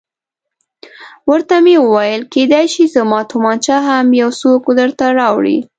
ورته ومې ویل کېدای شي زما تومانچه هم یو څوک درته راوړي.